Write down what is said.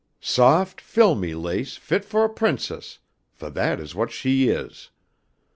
Soft, filmy lace fit fo' a Princess, fo' that is what she is.